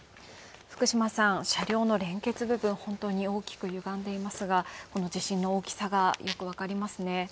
車両の連結部分本当に大きくゆがんでいますが、この地震の大きさがよくわかりますね